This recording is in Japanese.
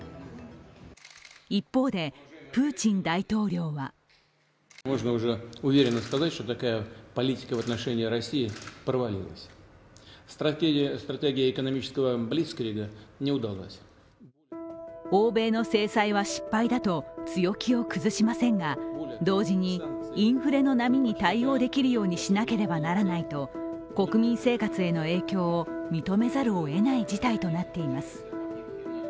一方で、プーチン大統領は欧米の制裁は失敗だと強気を崩しませんが同時にインフレの波に対応できるようにしなければならないと国民生活への影響を認めざるをえない事態となっています。